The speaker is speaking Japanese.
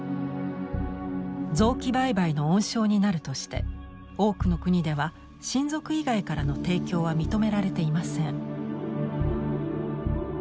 臓器売買の温床になるとして多くの国では親族以外からの提供は認められていません。